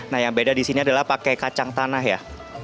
nah yang beda di sini adalah pakai kacang tanah ya